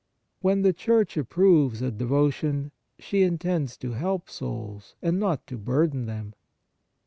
When the Church approves a devotion, she intends to help souls, and not to burden them.